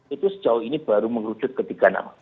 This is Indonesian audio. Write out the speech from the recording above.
itu sejauh ini baru mengerucut ke tiga nama